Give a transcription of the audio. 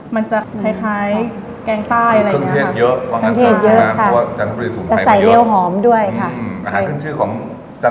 มันจะคล้ายแกงใต้อะไรอย่างนี้